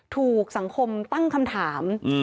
ถูกสังคมตั้งคำถาม